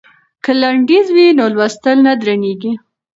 که لنډیز وي نو لوستل نه درندیږي.